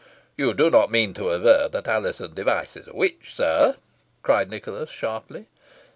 '" "You do not mean to aver that Alizon Device is a witch, sir?" cried Nicholas, sharply.